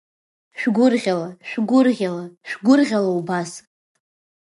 Шәгәырӷьала, шәгәырӷьала, шәгәырӷьала убас!